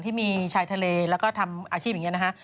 ที่มีชายทะเลแล้วทำอาชีพนี่นะคะ